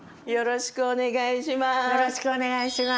よろしくお願いします。